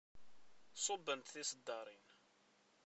Ṣubbent tiseddaṛin.